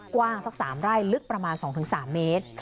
กว้างสัก๓ไร่ลึกประมาณ๒๓เมตร